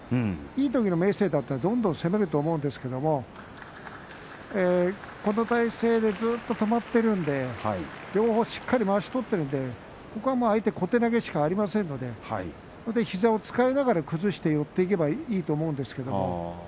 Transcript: いいときの明生でしたらどんどん攻めると思うんですがこの体勢でずっと止まっているので両方しっかりまわしを取ってるので相手は小手投げしかありませんので膝を使いながら崩して寄っていけばいいと思うんですけれども。